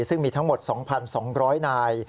ซึ่งมีทั้งหมด๒๒๐๐นาย